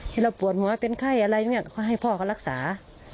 เวลาปวดหัวเป็นไข้อะไรอย่างเงี้ยก็ให้พ่อเขารักษา